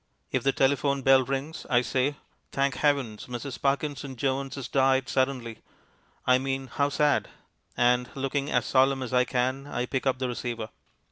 If the telephone bell rings, I say, "Thank Heavens, Mrs. Parkinson Jones has died suddenly. I mean, how sad," and, looking as solemn as I can, I pick up the receiver.